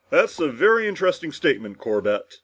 "That's a very interesting statement, Corbett!"